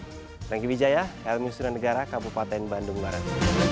terima kasih bijaya lmi usul negara kabupaten bandung barat